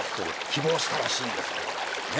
希望したらしいんですこれが。